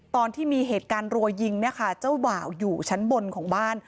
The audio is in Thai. ตอนที่มีเหตุการณ์รัวยิงเนี่ยค่ะเจ้าบ่าวอยู่ชั้นบนของบ้าน